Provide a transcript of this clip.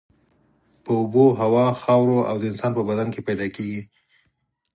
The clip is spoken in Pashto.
په اوبو، هوا، خاورو او د انسانانو په بدن کې پیدا کیږي.